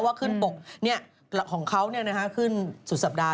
ว่าขึ้นปกของเขาขึ้นสุดสัปดาห